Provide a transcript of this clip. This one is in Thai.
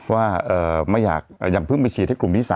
ว่าไม่อยากอย่างเพิ่งไปฉีดให้กลุ่มที่๓